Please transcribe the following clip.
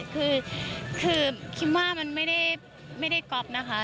คือคิมว่ามันไม่ได้ก๊อฟนะคะ